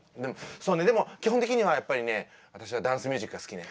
そうねでも基本的にはやっぱりね私はダンスミュージックが好きね。